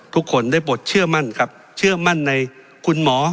ทุกคนได้บทเชื่อมั่นครับเชื่อมั่นในคุณหมอ